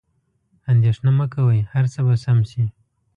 اندیښنه مه کوئ، هر څه به سم شي.